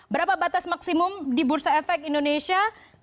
berapa batas maksimum di bursa efek indonesia